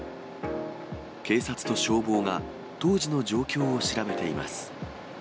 警察と消防が当時の状況を調べています。